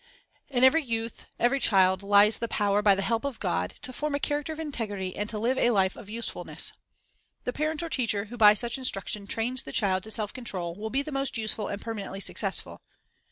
In every youth, every child, lies the power, by the help of God, to form a character of integrity and to live a life of usefulness. The parent or teacher who by such instruction trains the child to self control will be the most useful and permanently successful.